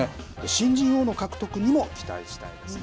新人王の獲得にも期待したいですね。